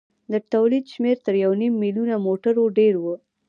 د تولید شمېر تر یو نیم میلیون موټرو ډېر و.